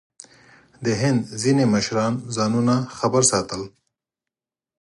د هند ځینې مشران ځانونه خبر ساتل.